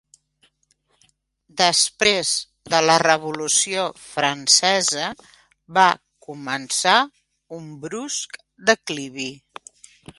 Després de la Revolució francesa va començar un brusc declivi.